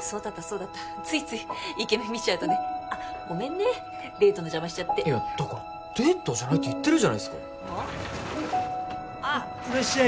そうだったそうだったついついイケメン見ちゃうとねあっごめんねデートの邪魔しちゃっていやだからデートじゃないって言ってるじゃないすかいらっしゃい